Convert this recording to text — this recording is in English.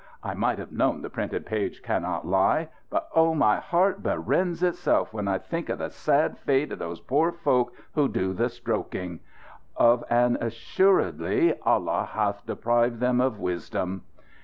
I might have known the printed page cannot lie. But, oh, my heart berends itself when I think of the sad fate of those poor folk who do the stroking! Of an assuredly, Allah hath deprived them of wisdom!